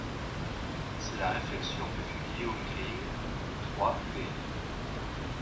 C'est la réflexion que fait Guillaume Grimm (trois, p.